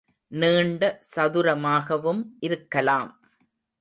நீண்ட சதுரமாகவும் இருக்கலாம்.